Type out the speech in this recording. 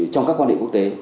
trong các quan hệ quốc tế